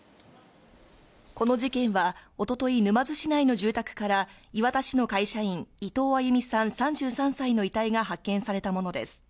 この事件は一昨日、沼津市内の住宅から磐田市の会社員、伊藤亜佑美さん、３３歳の遺体が発見されたものです。